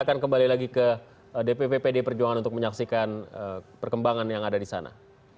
akan kembali lagi ke dpp pd perjuangan untuk menyaksikan perkembangan yang ada di sana